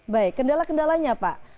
baik kendala kendalanya pak